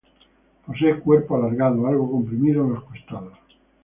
Posee cuerpo alargado, algo comprimido en los costados.